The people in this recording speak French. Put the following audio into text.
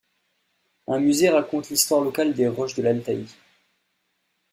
Un musée raconte l'histoire locale des roches de l'Altaï.